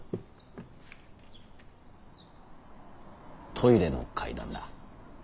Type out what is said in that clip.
トイレの怪談だ。